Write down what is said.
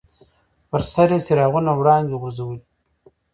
پر سر یې څراغونو وړانګې غورځولې.